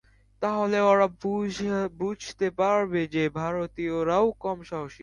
তাহলে ওরা বুঝতে পারবে যে ভারতীয়রাও কম সাহসী নয়।